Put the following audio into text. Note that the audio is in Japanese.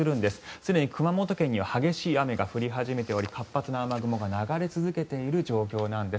すでに熊本県には激しい雨が降り出しており活発な雨雲が流れ続けている状況なんです。